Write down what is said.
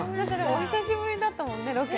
お久しぶりだったもんね、ロケ。